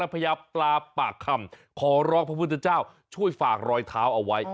พญาปลาปากคำขอร้องพระพุทธเจ้าช่วยฝากรอยเท้าเอาไว้